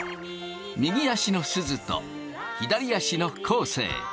右足のすずと左足の昴生。